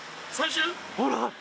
ほら。